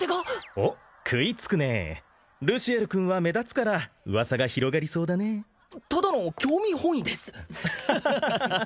おっ食いつくねえルシエル君は目立つから噂が広がりそうだねただの興味本位ですアハハハハハ！